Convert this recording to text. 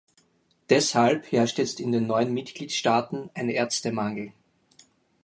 Deshalb herrscht jetzt in den neuen Mitgliedstaaten ein Ärztemangel.